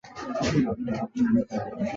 也有说是康熙廿五年。